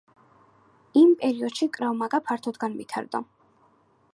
იმ პერიოდში კრავ მაგა ფართოდ განვითარდა.